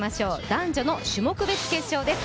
男女の種目別決勝です。